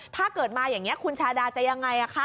ถ้าเกิดมาอย่างนี้คุณชาดาจะยังไงคะ